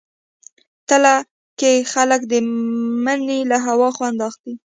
تله کې خلک د مني له هوا خوند اخلي.